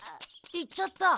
行っちゃった。